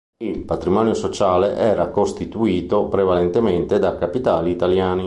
Il patrimonio sociale era costituito prevalentemente da capitali italiani.